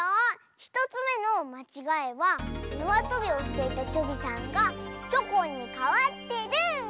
１つめのまちがいはなわとびをしていたチョビさんがチョコンにかわってる！